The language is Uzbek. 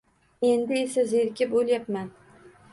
Endi esa zerikib oʼlyapman.